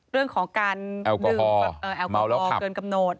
เรื่องของการดื่มแอลกอฮอลเกินกำหนด